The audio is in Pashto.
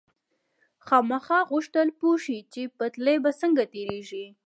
خاما غوښتل پوه شي چې پټلۍ به څنګه تېرېږي.